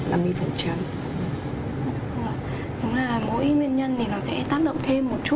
đúng là mỗi nguyên nhân thì nó sẽ tác động thêm một chút